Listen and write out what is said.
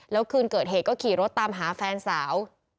แล้วคืนเกิดเหตุก็ขี่รถตามหาแฟนสาว